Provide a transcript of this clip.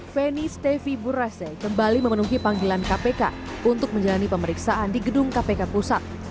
feni stefi burase kembali memenuhi panggilan kpk untuk menjalani pemeriksaan di gedung kpk pusat